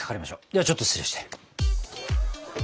ではちょっと失礼して。